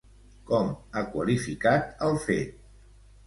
Com ha qualificat el fet?